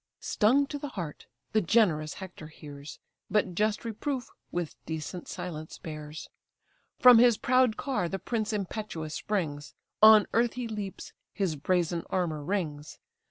Stung to the heart the generous Hector hears, But just reproof with decent silence bears. From his proud car the prince impetuous springs, On earth he leaps, his brazen armour rings.